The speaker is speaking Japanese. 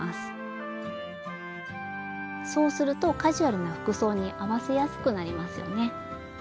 そうするとカジュアルな服装に合わせやすくなりますよね。